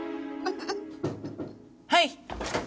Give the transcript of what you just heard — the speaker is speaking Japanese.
はい。